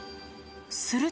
すると。